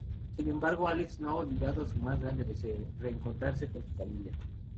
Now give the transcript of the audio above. Sin embargo, Alex no ha olvidado su más grande deseo: reencontrarse con su familia.